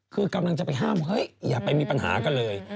คือกำลังจะไปห้ามเฮ้ยอย่าไปมีปัญหากันเลย